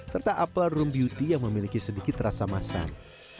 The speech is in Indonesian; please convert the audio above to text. serta apel room beauty yang memiliki sedikit rasa masak